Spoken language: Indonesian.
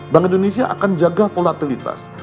bank indonesia akan jaga volatilitas